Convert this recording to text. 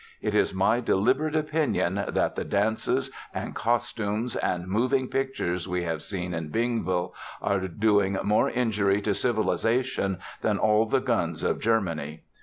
It is my deliberate opinion that the dances and costumes and moving pictures we have seen in Bingville are doing more injury to Civilization than all the guns of Germany.